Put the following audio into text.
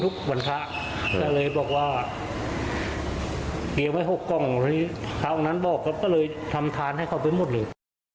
ทุกวันทะเลยบอกว่าเกลียวไว้๖กล้องครั้งนั้นบอกก็เลยทำทานให้เขาไปหมดเลย